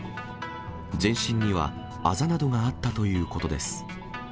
全身にはあざなどがあったということです。